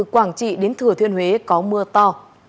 quảng trị đến thừa thuyên huế có mưa to